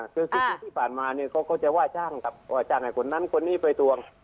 คือที่ผ่านมาเนี่ยเขาก็จะว่าจ้างกับว่าจ้างให้คนนั้นคนนี้ไปทวง